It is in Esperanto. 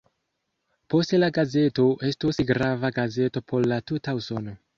Poste la gazeto estos grava gazeto por la tuta Usono.